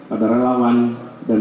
kepada para kader